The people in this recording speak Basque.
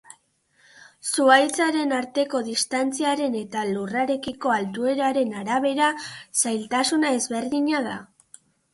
Zuhaitzen arteko distantziaren eta lurrarekiko altueraren arabera zailtasuna ezberdina da.